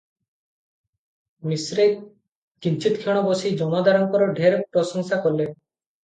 ମିଶ୍ରେ କିଞ୍ଚିତକ୍ଷଣ ବସି ଜମାଦାରଙ୍କର ଢେର ପ୍ରଶଂସା କଲେ ।